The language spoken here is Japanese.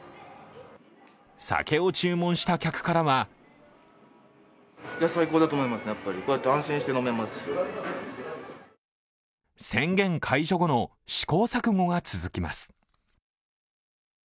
酒を注文した客からは宣言解除後の試行錯誤が続きます。